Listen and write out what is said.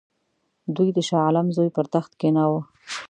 دوی د شاه عالم زوی پر تخت کښېناوه.